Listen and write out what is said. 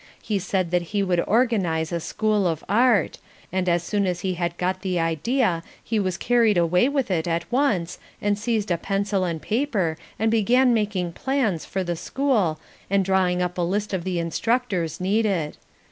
He said that he would organise a School of Art, and as soon as he had got the idea he was carried away with it at once and seized a pencil and paper and began making plans for the school and drawing up a list of the instructors needed.